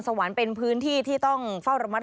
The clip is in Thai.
สวรรค์เป็นพื้นที่ที่ต้องเฝ้าระมัดระวัง